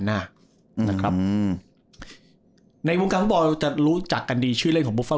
หน้านะครับอืมในวงการฟุตบอลจะรู้จักกันดีชื่อเล่นของบุฟเฟล